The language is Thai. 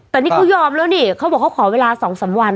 แต่นี่เขายอมแล้วนี่เขาบอกเขาขอเวลา๒๓วัน